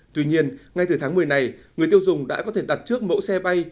tuy nhiên ngay từ tháng một mươi này người tiêu dùng đã có thể đặt trước mẫu xe bay